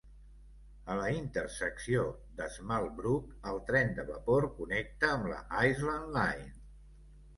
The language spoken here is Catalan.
A la intersecció d'Smallbrook, el tren de vapor connecta amb la Island Line.